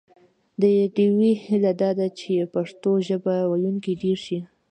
د ډیوې هیله دا ده چې پښتو ژبه ویونکي ډېر شي